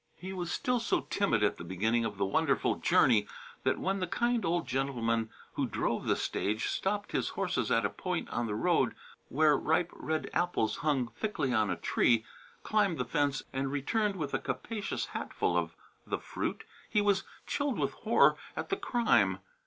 He was still so timid at the beginning of the wonderful journey that when the kind old gentleman who drove the stage stopped his horses at a point on the road where ripe red apples hung thickly on a tree, climbed the fence and returned with a capacious hat full of the fruit, he was chilled with horror at the crime.